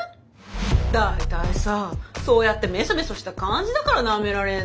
大体さそうやってメソメソした感じだからなめられんのよ。